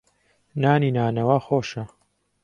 نانی نانەوا خۆشە.